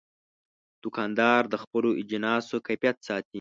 دوکاندار د خپلو اجناسو کیفیت ساتي.